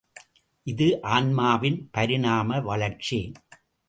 இது ஆன்மாவின் பரிணாம வளர்ச்சி.